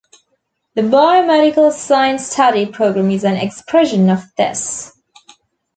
The Biomedical Science study programme is an expression of this.